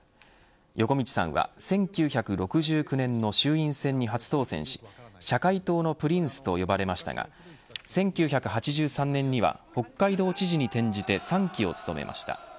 横路さんは１９６９年の衆院選に初当選し社会党のプリンスと呼ばれましたが１９８３年には北海道知事に転じて３期を務めました。